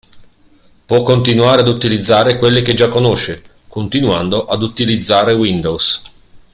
Può continuare ad utilizzare quelle che già conosce continuando ad utilizzare Windows.